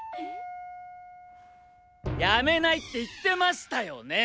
辞めないって言ってましたよねえ